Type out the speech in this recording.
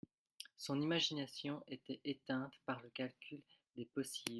Son imagination était éteinte par le calcul des possibles.